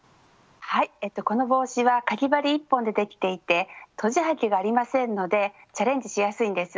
はいこの帽子はかぎ針１本でできていてとじはぎがありませんのでチャレンジしやすいんです。